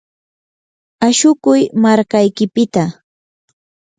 ashukuy markaykipita.